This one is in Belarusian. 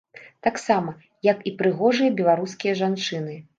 Таксама, як і прыгожыя беларускія жанчыны.